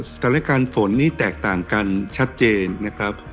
สถานการณ์ฝนนี่แตกต่างกันชัดเจนนะครับ